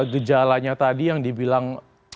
gejalanya tadi yang dibilang